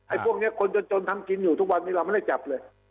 พวกนี้คนจนทำกินอยู่ทุกวันนี้เราไม่ได้จับเลย